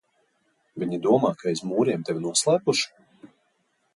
Viņi domā, ka aiz mūriem tevi noslēpuši?